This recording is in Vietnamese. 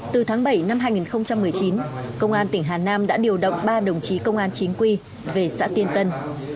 từ tháng bảy năm hai nghìn một mươi chín công an tỉnh hà nam đã điều động ba đồng chí công an chính quy về xã tiên tân